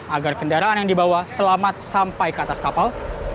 agar kendaraan yang dibawa selamat sampai ke atas kapal